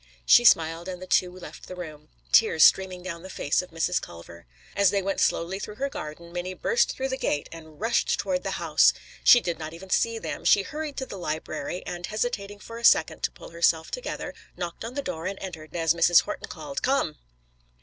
She smiled and the two left the room, tears streaming down the face of Mrs. Culver. As they went slowly through the garden, Minnie burst through the gate, and rushed toward the house. She did not even see them. She hurried to the library, and hesitating for a second to pull herself together, knocked on the door and entered as Mrs. Horton called, "Come!"